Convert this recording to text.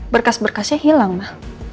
berkas berkasnya hilang ma